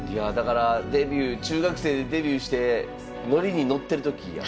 だから中学生でデビューして乗りに乗ってる時や。